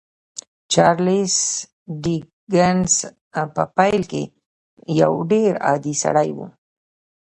چارلیس ډیکنز په پیل کې یو ډېر عادي سړی و